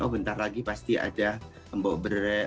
oh bentar lagi pasti ada tembok berrek